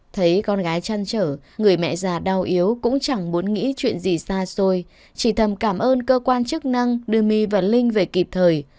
thấy con gái trăn trở người mẹ già đau yếu cũng chẳng muốn nghĩ chuyện gì xa xôi chỉ thầm cảm ơn cơ quan chức năng đưa my và linh về kịp thời